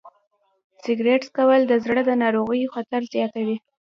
سګریټ څکول د زړه د ناروغیو خطر زیاتوي.